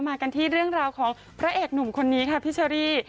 มากันที่เรื่องราวของพระเอกหนุ่มคนนี้ค่ะพี่เชอรี่